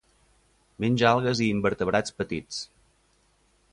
Menja algues i invertebrats petits.